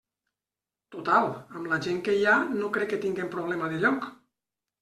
Total, amb la gent que hi ha no crec que tinguem problema de lloc.